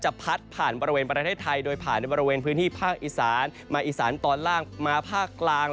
พัดผ่านบริเวณประเทศไทยโดยผ่านในบริเวณพื้นที่ภาคอีสานมาอีสานตอนล่างมาภาคกลาง